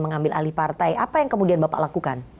mengambil alih partai apa yang kemudian bapak lakukan